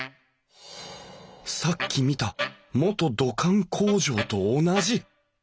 さっき見た元土管工場と同じ！